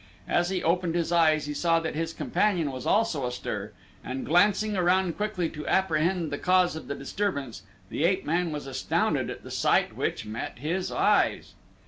As he opened his eyes he saw that his companion was also astir, and glancing around quickly to apprehend the cause of the disturbance, the ape man was astounded at the sight which met his eyes.